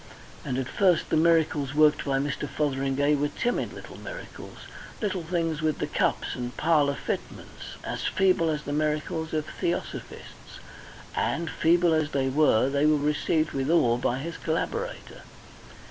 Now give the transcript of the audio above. And at first the miracles worked by Mr. Fotheringay were timid little miracles little things with the cups and parlour fitments, as feeble as the miracles of Theosophists, and, feeble as they were, they were received with awe by his collaborator.